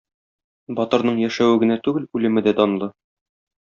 Батырның яшәве генә түгел үлеме дә данлы.